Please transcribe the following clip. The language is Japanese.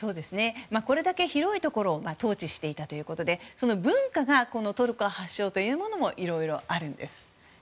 これだけ広いところを統治していたということでその文化がトルコ発祥というものもいろいろあるんです。